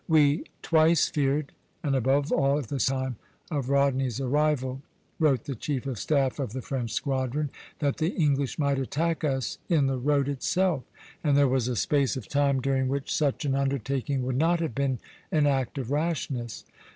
"We twice feared, and above all at the time of Rodney's arrival," wrote the chief of staff of the French squadron, "that the English might attack us in the road itself; and there was a space of time during which such an undertaking would not have been an act of rashness.